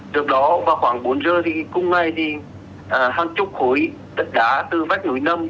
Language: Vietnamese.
trước đó vào khoảng bốn h thì cùng ngày thì hàng chục khối đất đá từ vách núi năm